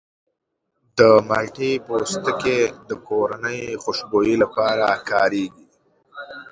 د مالټې پوستکی د کورني خوشبویي لپاره کارېږي.